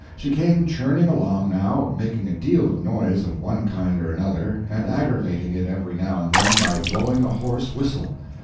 She came churning along, now, making a deal of noise of one kind or another, and aggravating it every now and then by blowing a hoarse whistle.